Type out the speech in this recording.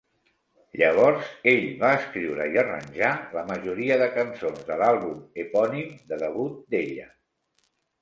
Llavors, ell va escriure i arranjar la majoria de cançons de l'àlbum epònim de debut d'ella.